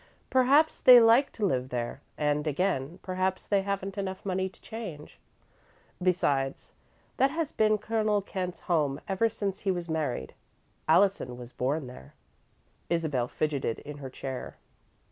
"Perhaps they like to live there, and, again, perhaps they haven't enough money to change. Besides, that has been Colonel Kent's home ever since he was married. Allison was born there." Isabel fidgeted in her chair.